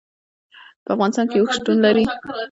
په افغانستان کې اوښ شتون لري.